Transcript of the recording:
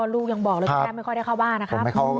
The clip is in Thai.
ลูกยังบอกเลยคุณแม่ไม่ค่อยได้เข้าบ้านนะครับ